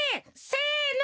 せの！